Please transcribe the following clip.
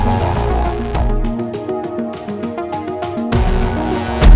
tidak ada yang bisa dikawal